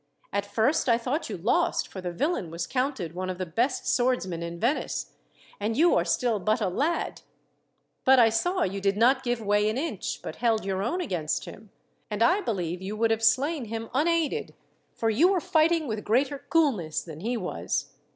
At first I thought you lost, for the villain was counted one of the best swordsmen in Venice, and you are still but a lad; but I saw you did not give way an inch, but held your own against him; and I believe you would have slain him unaided, for you were fighting with greater coolness than he was.